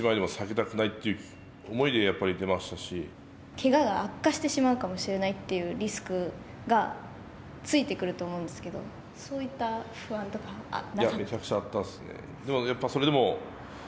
けがが悪化してしまうかもしれないというリスクがついてくると思うんですけれどもそういった不安とかはなかった。